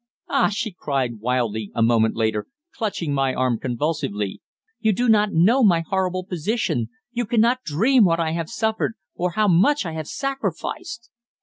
"Ah!" she cried wildly a moment later, clutching my arm convulsively, "you do not know my horrible position you cannot dream what I have suffered, or how much I have sacrificed."